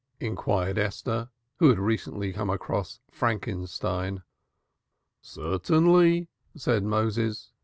inquired Esther, who had recently come across Frankenstein. "Certainly," said Moses.